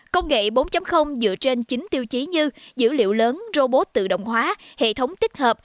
công nghệ bốn dựa trên chín tiêu chí như dữ liệu lớn robot tự động hóa hệ thống tích hợp